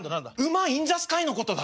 馬インザスカイのことだ。